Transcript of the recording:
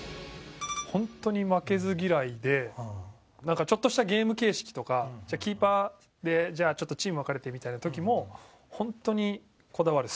ホントに負けず嫌いでなんかちょっとしたゲーム形式とかキーパーでじゃあチーム分かれてみたいな時もホントにこだわる。